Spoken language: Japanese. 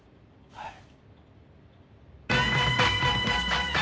はい。